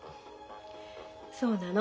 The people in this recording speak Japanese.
そうなの。